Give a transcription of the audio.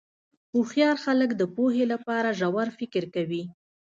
هوښیار خلک د پوهې لپاره ژور فکر کوي.